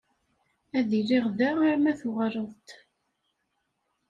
Ad iliɣ da arma tuɣaleḍ-d.